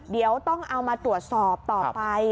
เดี๋ยวต้องเอามาตรวจสอบต่อไป